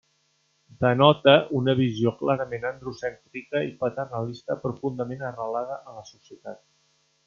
Denota una visió clarament androcèntrica i paternalista profundament arrelada en la societat.